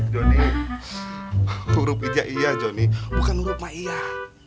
jonny huruf hijaiyah jonny bukan huruf emak iyah